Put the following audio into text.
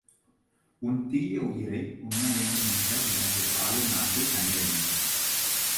உன் தீய உயிரை உண்ணவேண்டுமென்ற எனது வாளின் ஆசை தணியவேண்டும்.